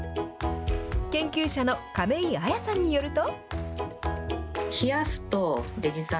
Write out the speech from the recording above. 研究者の亀井文さんによると。